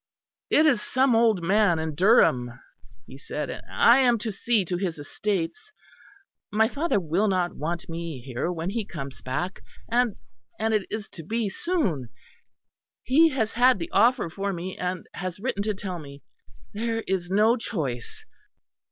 "It is some old man in Durham," he said, "and I am to see to his estates. My father will not want me here when he comes back, and, and it is to be soon. He has had the offer for me; and has written to tell me. There is no choice."